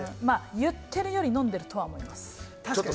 いってるより飲んでると思います。